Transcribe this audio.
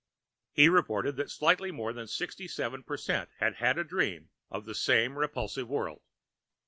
He reported that slightly more than sixty seven per cent had had a dream of the same repulsive world.